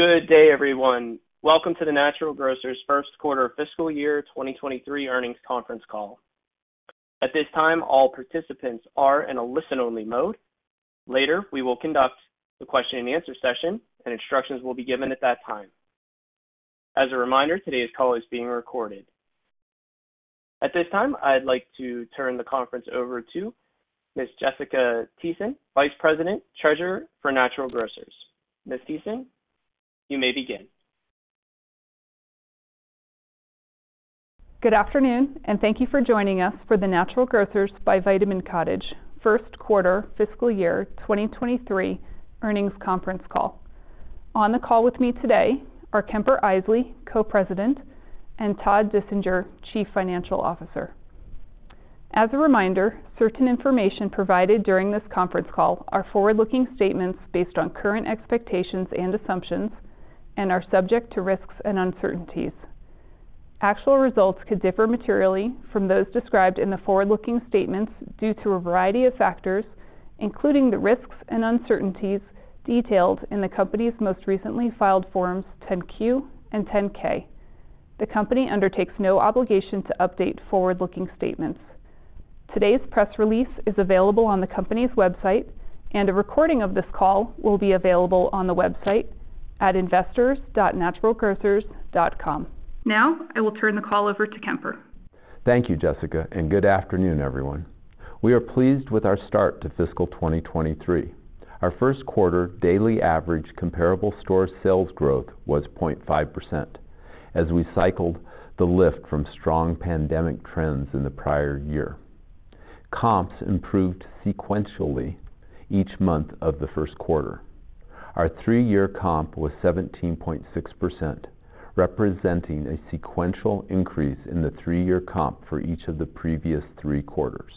Good day, everyone. Welcome to the Natural Grocers first quarter fiscal year 2023 earnings conference call. At this time, all participants are in a listen-only mode. Later, we will conduct the question-and-answer session and instructions will be given at that time. As a reminder, today's call is being recorded. At this time, I'd like to turn the conference over to Ms. Jessica Thiessen, Vice President, Treasurer for Natural Grocers. Ms. Thiessen, you may begin. Good afternoon, thank you for joining us for the Natural Grocers by Vitamin Cottage first quarter fiscal year 2023 earnings conference call. On the call with me today are Kemper Isely, Co-president, and Todd Dissinger, Chief Financial Officer. As a reminder, certain information provided during this conference call are forward-looking statements based on current expectations and assumptions and are subject to risks and uncertainties. Actual results could differ materially from those described in the forward-looking statements due to a variety of factors, including the risks and uncertainties detailed in the company's most recently filed Forms 10-Q and 10-K. The company undertakes no obligation to update forward-looking statements. Today's press release is available on the company's website, a recording of this call will be available on the website at investors.naturalgrocers.com. Now, I will turn the call over to Kemper. Thank you, Jessica. Good afternoon, everyone. We are pleased with our start to fiscal 2023. Our first quarter daily average comparable store sales growth was 0.5% as we cycled the lift from strong pandemic trends in the prior year. Comps improved sequentially each month of the first quarter. Our 3-year comp was 17.6%, representing a sequential increase in the 3-year comp for each of the previous 3 quarters.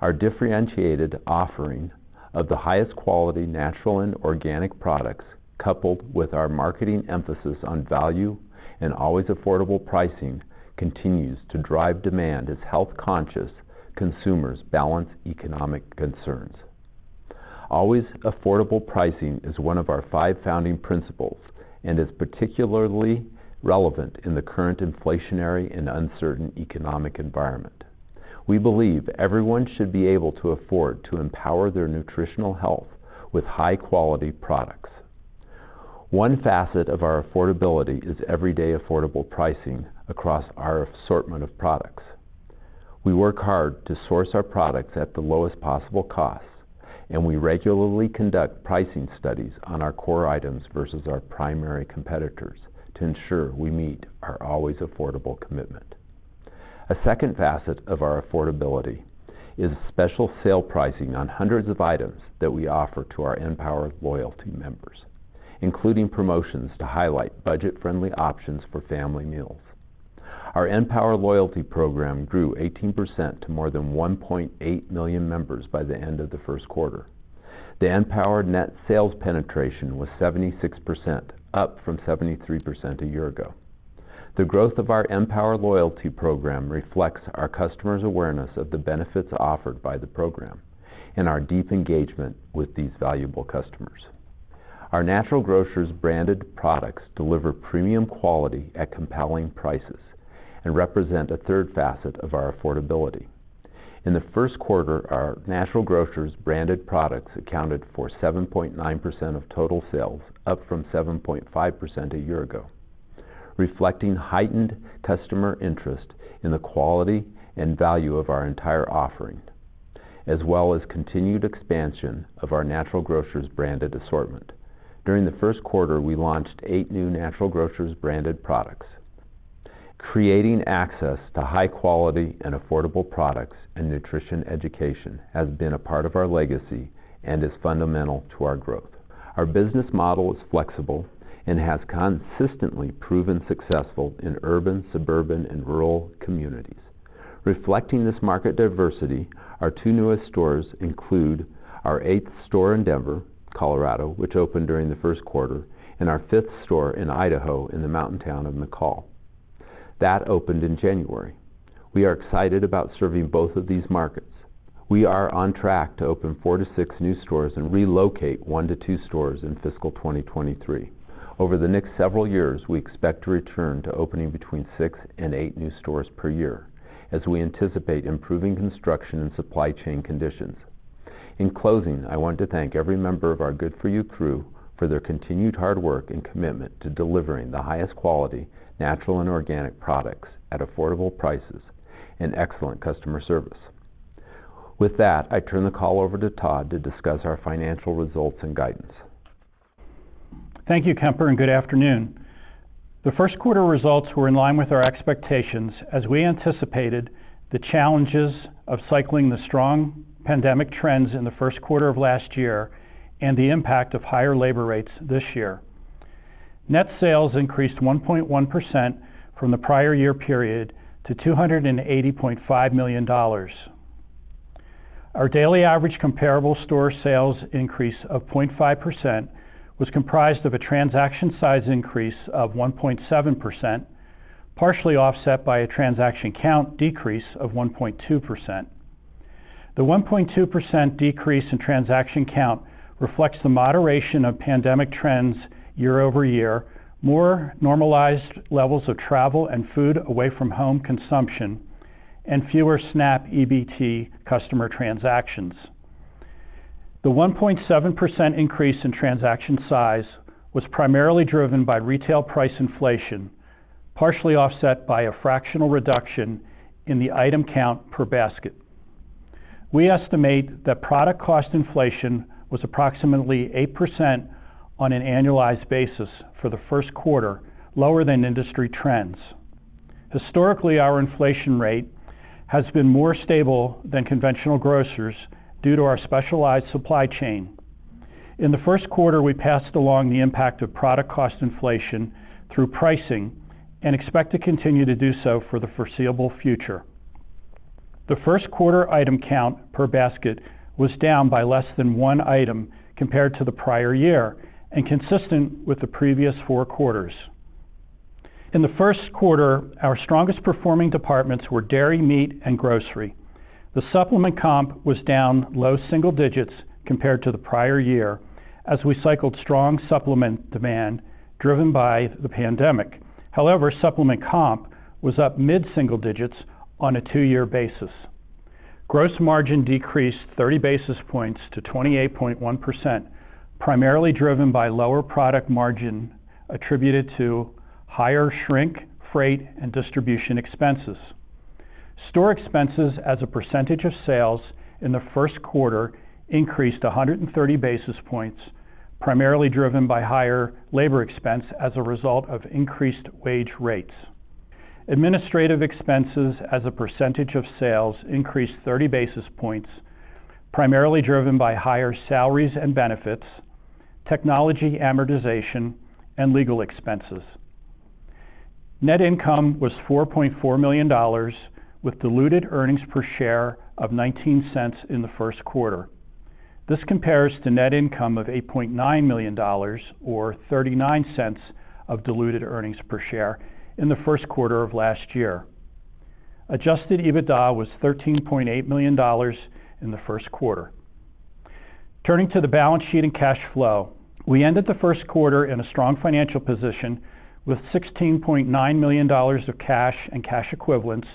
Our differentiated offering of the highest quality natural and organic products, coupled with our marketing emphasis on value and always affordable pricing, continues to drive demand as health-conscious consumers balance economic concerns. Always affordable pricing is one of our 5 founding principles and is particularly relevant in the current inflationary and uncertain economic environment. We believe everyone should be able to afford to empower their nutritional health with high-quality products. One facet of our affordability is everyday affordable pricing across our assortment of products. We work hard to source our products at the lowest possible costs, we regularly conduct pricing studies on our core items versus our primary competitors to ensure we meet our always affordable commitment. A second facet of our affordability is special sale pricing on hundreds of items that we offer to the {N}power members, including promotions to highlight budget-friendly options for family meals. Our {N}power program grew 18% to more than 1.8 million members by the end of the first quarter. The {N}power net sales penetration was 76%, up from 73% a year ago. The growth of our {N}power program reflects our customers' awareness of the benefits offered by the program and our deep engagement with these valuable customers. Our Natural Grocers Brand Products deliver premium quality at compelling prices and represent a third facet of our affordability. In the first quarter, our Natural Grocers Brand Products accounted for 7.9% of total sales, up from 7.5% a year ago, reflecting heightened customer interest in the quality and value of our entire offering, as well as continued expansion of our Natural Grocers Brand assortment. During the first quarter, we launched eight new Natural Grocers Brand Products. Creating access to high quality and affordable products and nutrition education has been a part of our legacy and is fundamental to our growth. Our business model is flexible and has consistently proven successful in urban, suburban, and rural communities. Reflecting this market diversity, our 2 newest stores include our 8th store in Denver, Colorado, which opened during the 1st quarter, and our 5th store in Idaho in the mountain town of McCall. That opened in January. We are excited about serving both of these markets. We are on track to open 4-6 new stores and relocate 1-2 stores in fiscal 2023. Over the next several years, we expect to return to opening between 6 and 8 new stores per year as we anticipate improving construction and supply chain conditions. In closing, I want to thank every member of our Good For You Crew for their continued hard work and commitment to delivering the highest quality natural and organic products at affordable prices and excellent customer service. With that, I turn the call over to Todd to discuss our financial results and guidance. Thank you, Kemper. Good afternoon. The first quarter results were in line with our expectations as we anticipated the challenges of cycling the strong pandemic trends in the first quarter of last year and the impact of higher labor rates this year. Net sales increased 1.1% from the prior year period to $280.5 million. Our daily average comparable store sales increase of 0.5% was comprised of a transaction size increase of 1.7%, partially offset by a transaction count decrease of 1.2%. The 1.2% decrease in transaction count reflects the moderation of pandemic trends year-over-year, more normalized levels of travel and food away from home consumption, and fewer SNAP EBT customer transactions. The 1.7% increase in transaction size was primarily driven by retail price inflation, partially offset by a fractional reduction in the item count per basket. We estimate that product cost inflation was approximately 8% on an annualized basis for the first quarter, lower than industry trends. Historically, our inflation rate has been more stable than conventional grocers due to our specialized supply chain. In the first quarter, we passed along the impact of product cost inflation through pricing and expect to continue to do so for the foreseeable future. The first quarter item count per basket was down by less than 1 item compared to the prior year and consistent with the previous 4 quarters. In the first quarter, our strongest performing departments were dairy, meat, and grocery. The supplement comp was down low single digits compared to the prior year as we cycled strong supplement demand driven by the pandemic. However, supplement comp was up mid-single digits on a 2-year basis. Gross margin decreased 30 basis points to 28.1%, primarily driven by lower product margin attributed to higher shrink, freight, and distribution expenses. Store expenses as a percentage of sales in the first quarter increased 130 basis points, primarily driven by higher labor expense as a result of increased wage rates. Administrative expenses as a percentage of sales increased 30 basis points, primarily driven by higher salaries and benefits, technology amortization, and legal expenses. Net income was $4.4 million, with diluted earnings per share of $0.19 in the first quarter. This compares to net income of $8.9 million or $0.39 of diluted earnings per share in the first quarter of last year. Adjusted EBITDA was $13.8 million in the first quarter. Turning to the balance sheet and cash flow, we ended the first quarter in a strong financial position with $16.9 million of cash and cash equivalents.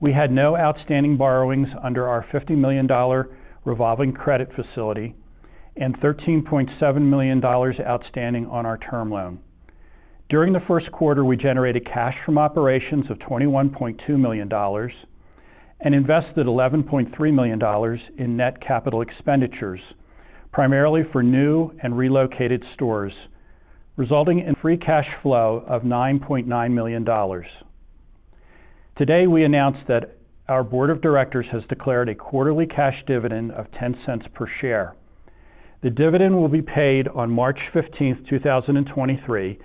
We had no outstanding borrowings under our $50 million revolving credit facility and $13.7 million outstanding on our term loan. During the first quarter, we generated cash from operations of $21.2 million and invested $11.3 million in net capital expenditures, primarily for new and relocated stores, resulting in free cash flow of $9.9 million. Today, we announced that our board of directors has declared a quarterly cash dividend of $0.10 per share. The dividend will be paid on March 15, 2023,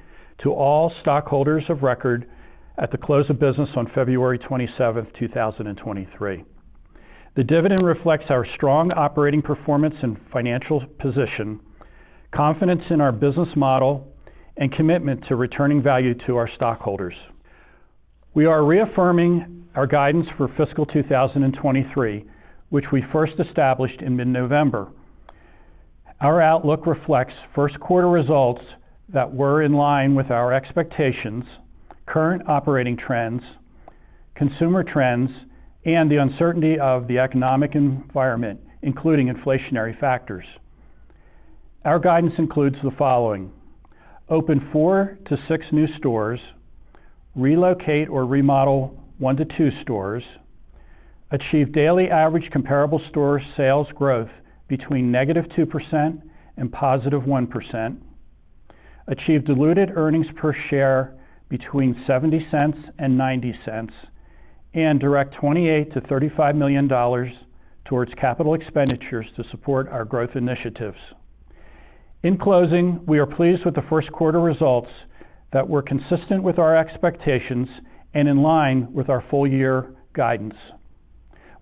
to all stockholders of record at the close of business on February 27, 2023. The dividend reflects our strong operating performance and financial position, confidence in our business model, and commitment to returning value to our stockholders. We are reaffirming our guidance for fiscal 2023, which we first established in mid-November. Our outlook reflects first quarter results that were in line with our expectations, current operating trends, consumer trends, and the uncertainty of the economic environment, including inflationary factors. Our guidance includes the following. Open 4-6 new stores, relocate or remodel 1-2 stores, achieve daily average comparable store sales growth between -2% and +1%, achieve diluted earnings per share between $0.70 and $0.90, and direct $28 million-$35 million towards capital expenditures to support our growth initiatives. In closing, we are pleased with the first quarter results that were consistent with our expectations and in line with our full year guidance.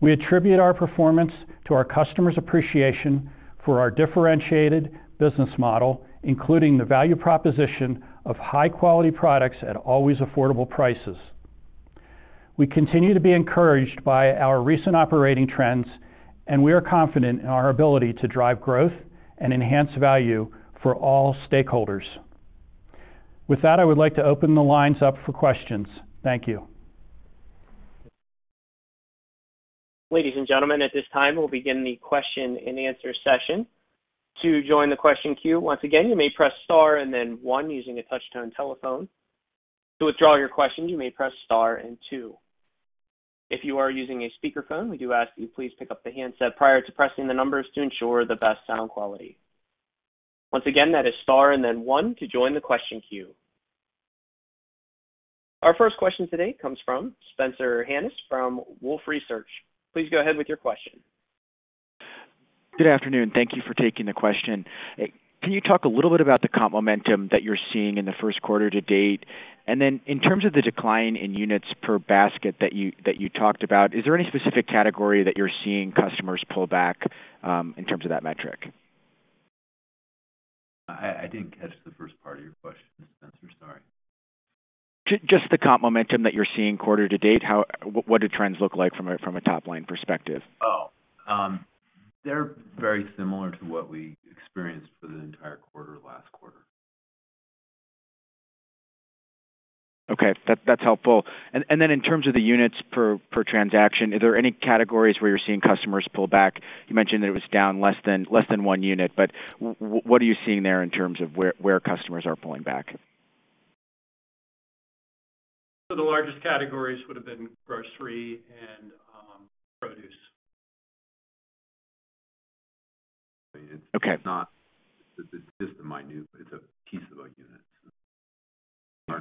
We attribute our performance to our customers' appreciation for our differentiated business model, including the value proposition of high-quality products at always affordable prices. We continue to be encouraged by our recent operating trends, and we are confident in our ability to drive growth and enhance value for all stakeholders. With that, I would like to open the lines up for questions. Thank you. Ladies and gentlemen, at this time, we'll begin the question and answer session. To join the question queue, once again, you may press Star and then One using a touch-tone telephone. To withdraw your question, you may press Star and Two. If you are using a speakerphone, we do ask that you please pick up the handset prior to pressing the numbers to ensure the best sound quality. Once again, that is Star and then One to join the question queue. Our first question today comes from Spencer Hanus from Wolfe Research. Please go ahead with your question. Good afternoon. Thank you for taking the question. Can you talk a little bit about the comp momentum that you're seeing in the first quarter to date? Then in terms of the decline in units per basket that you talked about, is there any specific category that you're seeing customers pull back in terms of that metric? I didn't catch the first part of your question, Spencer, sorry. Just the comp momentum that you're seeing quarter to date, what do trends look like from a, from a top-line perspective? They're very similar to what we experienced for the entire quarter last quarter. Okay, that's helpful. Then in terms of the units per transaction, are there any categories where you're seeing customers pull back? You mentioned that it was down less than 1 unit, but what are you seeing there in terms of where customers are pulling back? The largest categories would have been grocery and produce. Okay. It's not just the minute, it's a piece of a unit. In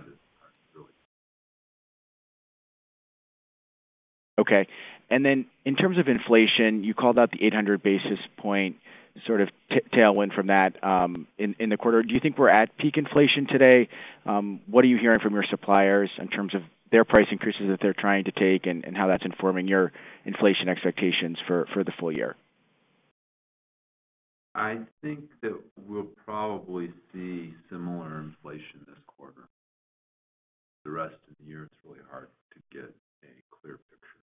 terms of inflation, you called out the 800 basis point sort of tailwind from that in the quarter. Do you think we're at peak inflation today? What are you hearing from your suppliers in terms of their price increases that they're trying to take, and how that's informing your inflation expectations for the full year? I think that we'll probably see similar inflation this quarter. The rest of the year, it's really hard to get a clear picture.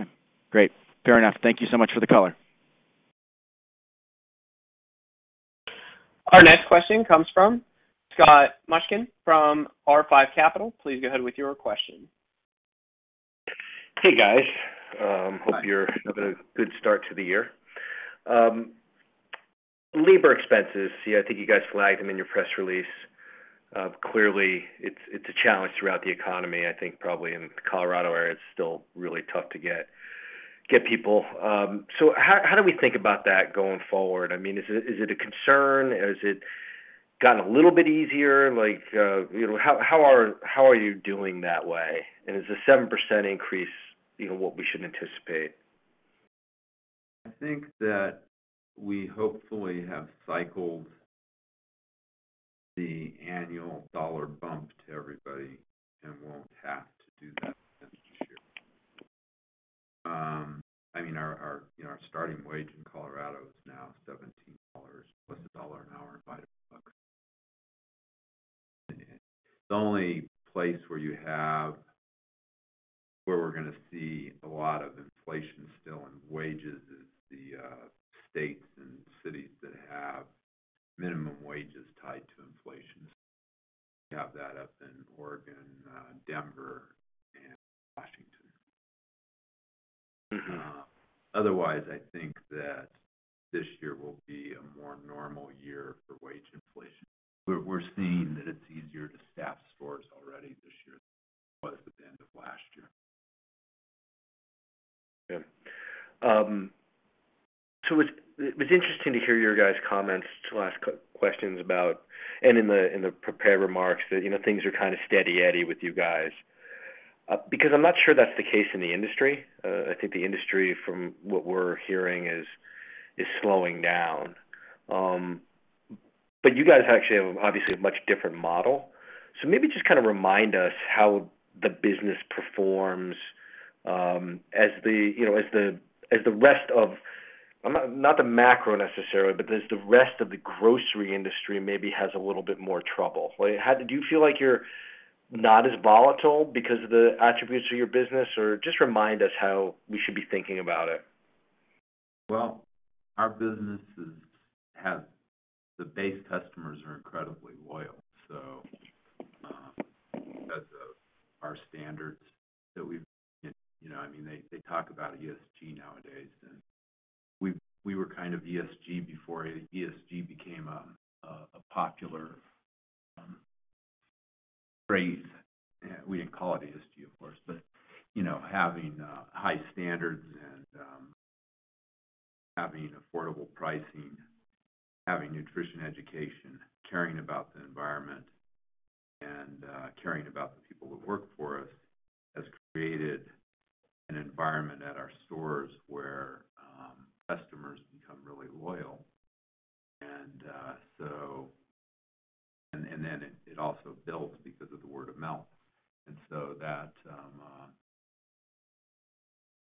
Okay, great. Fair enough. Thank you so much for the color. Our next question comes from Scott Mushkin from R5 Capital. Please go ahead with your question. Hey, guys. Hope you're having a good start to the year. Labor expenses. I think you guys flagged them in your press release. Clearly, it's a challenge throughout the economy. I think probably in Colorado, where it's still really tough to get people. How do we think about that going forward? I mean, is it a concern? Has it gotten a little bit easier? Like, you know, how are you doing that way? Is a 7% increase, you know, what we should anticipate? I think that we hopefully have cycled the annual dollar bump to everybody and won't have to do that this year. I mean, our, you know, our starting wage in Colorado is now $17 plus $1 an hour Biden buck. The only place where we're gonna see a lot of inflation still in wages is the states and cities that have minimum wages tied to inflation. We have that up in Oregon, Denver, and Washington. Otherwise, I think that this year will be a more normal year for wage inflation. We're seeing that it's easier to staff stores already this year than it was at the end of last year. Yeah. It's, it was interesting to hear your guys' comments to last questions about and in the prepared remarks that, you know, things are kinda steady eddy with you guys. Because I'm not sure that's the case in the industry. I think the industry, from what we're hearing is slowing down. You guys actually have obviously a much different model. Maybe just kinda remind us how the business performs, as the, you know, as the rest of... Not the macro necessarily, but as the rest of the grocery industry maybe has a little bit more trouble. Like, how do you feel like you're not as volatile because of the attributes of your business? Or just remind us how we should be thinking about it. Well, our businesses, the base customers are incredibly loyal. Because of our standards that we've... You know, I mean, they talk about ESG nowadays, and we were kind of ESG before ESG became a popular phrase. We didn't call it ESG, of course, but, you know, having high standards and having affordable pricing, having nutrition education, caring about the environment, and caring about the people that work for us has created an environment at our stores where customers become really loyal. It also builds because of the word of mouth. That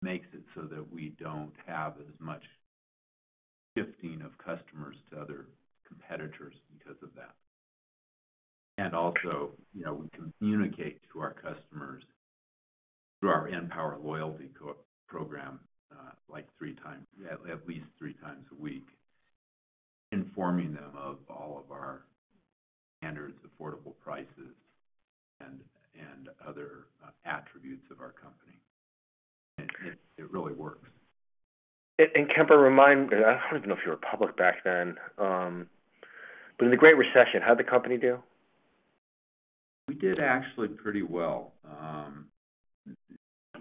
makes it so that we don't have as much shifting of customers to other competitors because of that. Also, you know, we communicate to our customers through our {N}power Loyalty program, like 3 times, at least 3 times a week, informing them of all of our standards, affordable prices, and other attributes of our company. It really works. Kemper, I don't even know if you were public back then. In the Great Recession, how'd the company do? We did actually pretty well.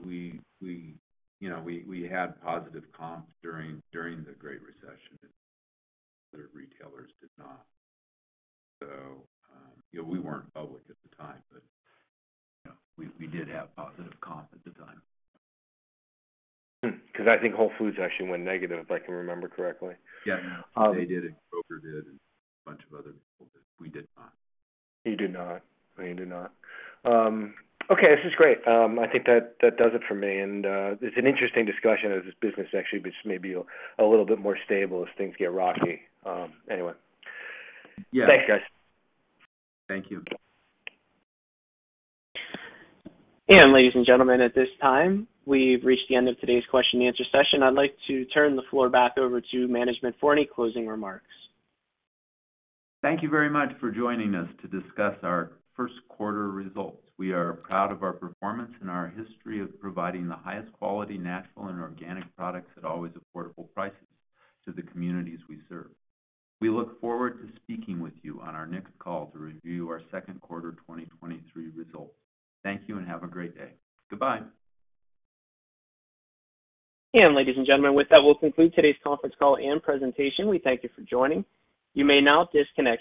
We, you know, we had positive comps during the Great Recession. Other retailers did not. You know, we weren't public at the time, you know, we did have positive comps at the time. I think Whole Foods actually went negative, if I can remember correctly. Yeah. They did, and Kroger did, and a bunch of other people did. We did not. You did not. You did not. Okay, this is great. I think that does it for me. It's an interesting discussion of this business, actually, but just maybe a little bit more stable as things get rocky. Anyway. Yeah. Thanks, guys. Thank you. Ladies and gentlemen, at this time, we've reached the end of today's question and answer session. I'd like to turn the floor back over to management for any closing remarks. Thank you very much for joining us to discuss our first quarter results. We are proud of our performance and our history of providing the highest quality natural and organic products at always affordable prices to the communities we serve. We look forward to speaking with you on our next call to review our second quarter 2023 results. Thank you and have a great day. Goodbye. Ladies and gentlemen, with that, we'll conclude today's conference call and presentation. We thank you for joining. You may now disconnect your lines.